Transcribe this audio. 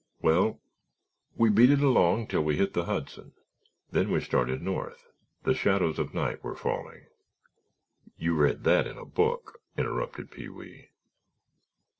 "Well, we beat it along till we hit the Hudson, then we started north. The shadows of night were falling." "You read that in a book," interrupted Pee wee.